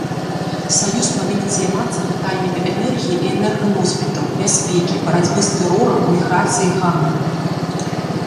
Саюз павінен займацца пытаннямі энергіі і энерганосьбітаў, бяспекі, барацьбы з тэрорам, міграцыі, гандлю.